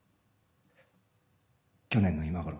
去年の今頃。